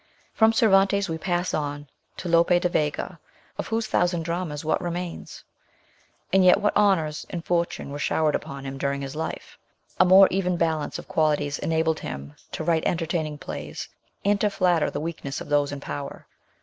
From Cervantes we pass on to Lope de Vega, of whose thousand dramas what remains ? and yet what honours and fortune were showered upon him during LATER WORKS. 213 his life ! A more even balance of qualities enabled him to write entertaining plays, and to flatter the weakness of those in power.